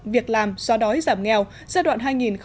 việc làm do đói giảm nghèo giai đoạn hai nghìn bảy hai nghìn một mươi bảy